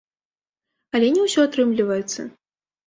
Але не ўсё атрымліваецца.